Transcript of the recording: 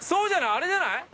あれじゃない？